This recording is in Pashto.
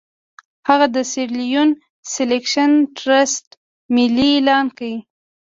هغه د سیریلیون سیلکشن ټرست ملي اعلان کړ.